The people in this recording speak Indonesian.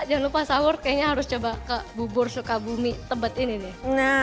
jangan lupa sahur kayaknya harus coba ke bubur sukabumi tebet ini nih